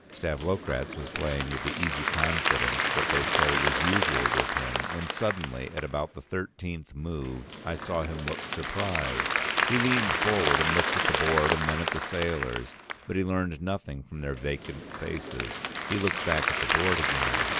Stavlokratz was playing with the easy confidence that they say was usual with him, when suddenly at about the thirteenth move I saw him look surprised; he leaned forward and looked at the board and then at the sailors, but he learned nothing from their vacant faces; he looked back at the board again.